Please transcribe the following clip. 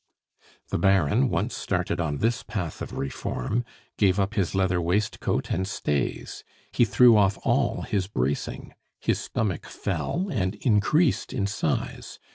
The Baron, once started on this path of reform, gave up his leather waistcoat and stays; he threw off all his bracing. His stomach fell and increased in size.